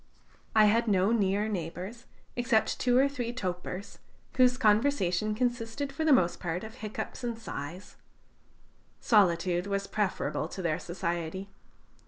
I had no near neighbors, except two or three topers, whose conversation consisted for the most part of hiccups and sighs. Solitude was preferable to their society.